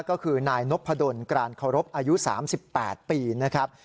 ก็คือนายนพดลกรานเคารพอายุ๓๘ปีนะครับ